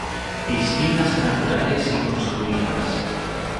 Piscinas naturales y construidas.